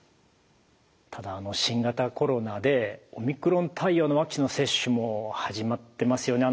ただ新型コロナでオミクロン対応のワクチンの接種も始まってますよね。